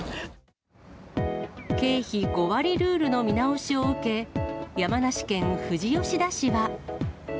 経費５割ルールの見直しを受け、山梨県富士吉田市は。